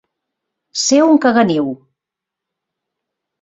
Ser un caganiu.